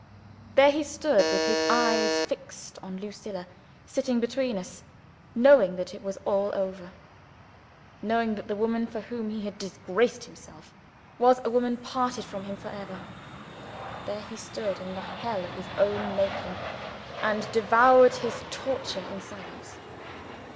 There he stood with his eyes fixed on Lucilla, sitting between us knowing that it was all over; knowing that the woman for whom he had degraded himself, was a woman parted from him for ever. There he stood, in the hell of his own making and devoured his torture in silence.